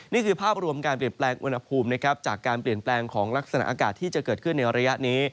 นี่คือภาพรวมการเปลี่ยนแปลงอุณหภูมินะครับจากการเปลี่ยนแปลงของลักษณะอากาศที่จะเกิดขึ้นในระยะนี้